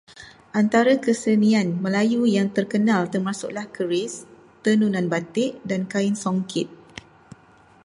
Antara kesenian Melayu yang terkenal termasuklah keris, tenunan batik dan kain songket.